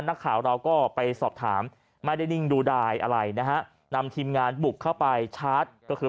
นักข่าวเราก็ไปสอบถามไม่ได้นิ่งดูดายอะไรนะฮะนำทีมงานบุกเข้าไปชาร์จก็คือ